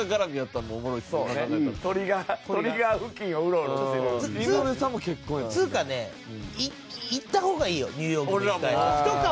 っつうかねいった方がいいよニューヨークも１回。